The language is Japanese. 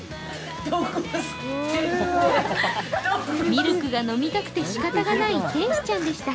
ミルクが飲みたくてしかたがない天使ちゃんでした。